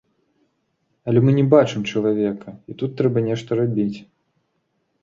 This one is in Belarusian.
Але мы не бачым чалавека, і тут трэба нешта рабіць.